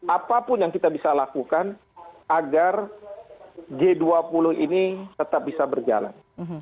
apapun yang kita bisa lakukan agar g dua puluh ini tetap bisa berjalan